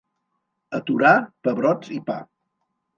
A Torà, pebrots i pa.